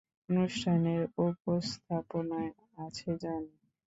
অনুষ্ঠানের উপস্থাপনায় আছে জনি।